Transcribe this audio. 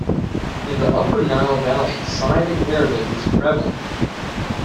In The Upper Nile valley, Sa'idi Arabic is prevalent.